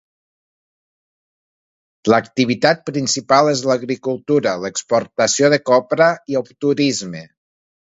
L'activitat principal és l'agricultura, l'exportació de copra i el turisme.